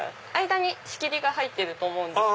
間に仕切りが入ってるんです。